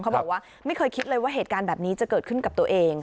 บอกว่าไม่เคยคิดเลยว่าเหตุการณ์แบบนี้จะเกิดขึ้นกับตัวเอง